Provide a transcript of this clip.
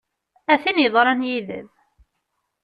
A tin yeḍran yid-m!